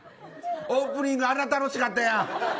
オープニングあんな楽しかったやん。